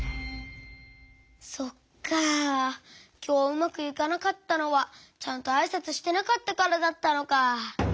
きょううまくいかなかったのはちゃんとあいさつしてなかったからだったのか。